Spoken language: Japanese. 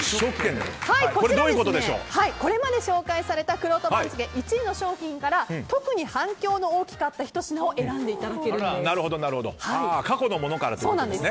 こちら、これまで紹介されたくろうと番付１位の商品から特に反響の大きかったひと品を選んでいただけるんです。